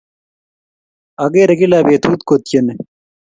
Akere kila petut kotyene